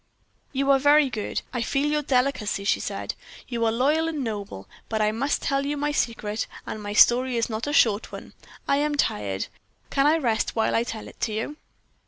"You are very good I feel your delicacy," she said. "You are loyal and noble; but I must tell you my secret, and my story is not a short one. I am tired; can I rest while I tell it to you?"